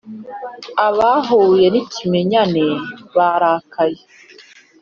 abahuye n ikimenyane barakaye